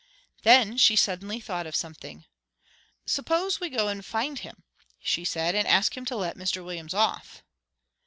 Then she suddenly thought of something. "Suppose we go and find him," she said, "and ask him to let Mr Williams off."